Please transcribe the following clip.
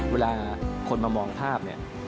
เวลาคนมามองภาพ